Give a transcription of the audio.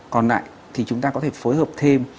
còn lại thì chúng ta có thể phối hợp thêm